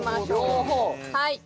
はい。